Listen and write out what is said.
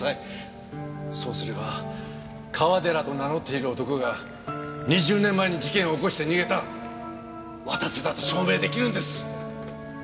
そうすれば川寺と名乗っている男が２０年前に事件を起こして逃げた綿瀬だと証明出来るんです！